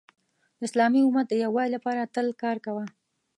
د اسلامی امت د یووالي لپاره تل کار کوه .